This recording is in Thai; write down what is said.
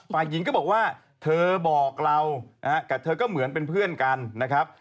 ฝ่ายหญิงก็บอกว่าเธอบอกเรานะฮะกับเธอก็เหมือนเป็นเพื่อนกันนะครับ